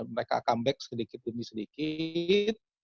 mereka comeback sedikit demi sedikit